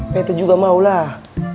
betta juga maulah